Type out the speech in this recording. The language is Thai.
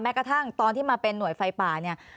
กระทั่งตอนที่มาเป็นหน่วยไฟป่าเนี่ย